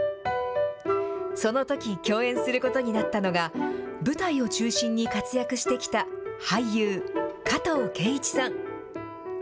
そのとき、共演することになったのが、舞台を中心に活躍してきた俳優、加藤健一さん。